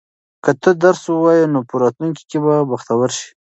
که ته درس ووایې نو په راتلونکي کې به بختور شې.